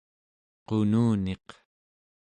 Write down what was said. qununiq